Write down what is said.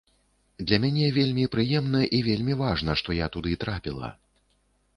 Для мяне вельмі прыемна і вельмі важна, што я туды трапіла.